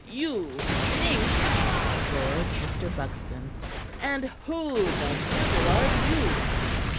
"You think!" roared Mr. Buxton; "and who the devil are you?"